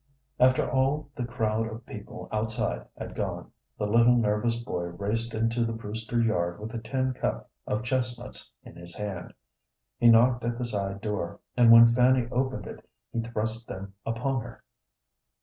After all the crowd of people outside had gone, the little nervous boy raced into the Brewster yard with a tin cup of chestnuts in his hand. He knocked at the side door, and when Fanny opened it he thrust them upon her.